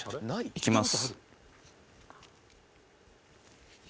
「いきます」